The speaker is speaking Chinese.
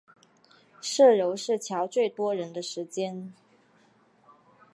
社游是乔最多人的时间